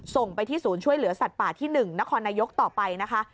ส่งไปที่ศูนย์ช่วยเหลือสัตว์ป่าที่๑นครนายกต่อไปนะคะ